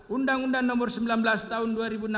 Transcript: undang undang nomor sembilan belas tahun dua ribu enam belas